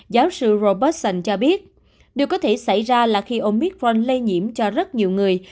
giáo sư robertson cho biết điều có thể xảy ra là khi omicron lây nhiễm cho rất nhiều người